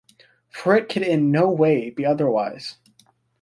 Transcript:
For it could in no way be otherwise.